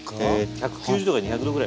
１９０℃２００℃ぐらい。